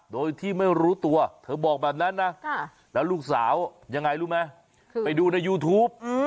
โดยที่ไม่รู้ตัวเธอบอกแบบนั้นนะแล้วลูกสาวยังไงรู้ไหมไปดูในยูทูป